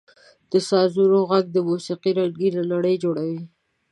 • د سازونو ږغ د موسیقۍ رنګینه نړۍ جوړوي.